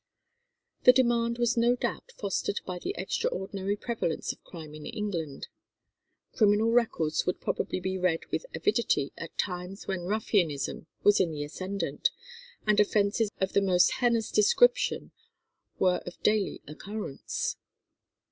The demand was no doubt fostered by the extraordinary prevalence of crime in England. Criminal records would probably be read with avidity at times when ruffianism was in the ascendant, and offences of the most heinous description were of daily occurrence.